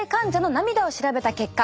涙を調べた結果。